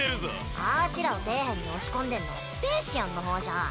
あしらを底辺に押し込んでんのはスペーシアンの方じゃん。